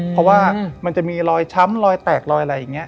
เพราะว่ามันจะมีรอยช้ำรอยแตกรอยอะไรอย่างนี้